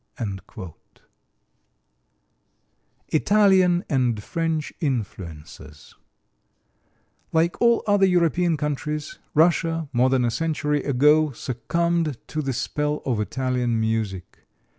Italian and French Influences Like all other European countries, Russia more than a century ago succumbed to the spell of Italian music.